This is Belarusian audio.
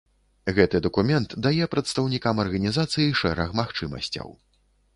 Гэты дакумент дае прадстаўнікам арганізацыі шэраг магчымасцяў.